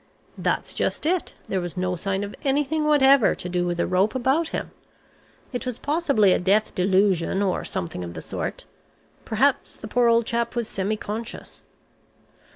"That's just it. There was no sign of anything whatever to do with a rope about him. It was possibly a death delusion, or something of the sort. Perhaps the poor old chap was semi conscious."